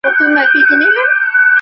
কেননা এ বাড়ির ঐরকমই দস্তুর।